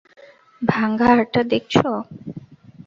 ভাঙা হাড়টা দেখছ?